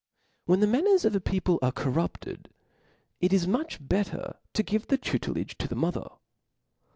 When the manneri of a people are corrupted, it is much better to give the tutelage to the mother.